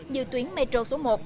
như tuyến metro số một